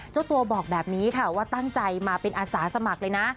เจ้าตัวบอกแบบนี้ค่ะว่าตั้งใจมาเป็นอาสาสมัครเลยนะ